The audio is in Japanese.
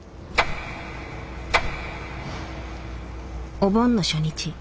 お盆の初日。